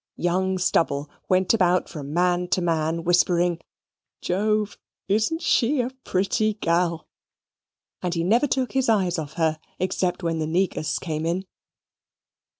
Young Stubble went about from man to man whispering, "Jove, isn't she a pretty gal?" and never took his eyes off her except when the negus came in.